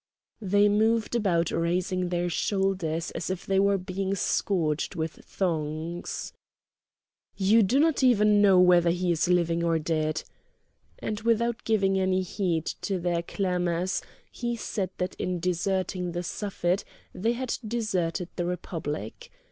They moved about raising their shoulders as if they were being scourged with thongs. "You do not even know whether he is living or dead!" And without giving any heed to their clamours he said that in deserting the Suffet they had deserted the Republic.